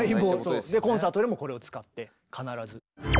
コンサートでもこれを使って必ず。